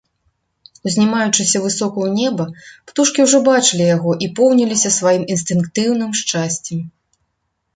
Узнімаючыся высока ў неба, птушкі ўжо бачылі яго і поўніліся сваім інстынктыўным шчасцем.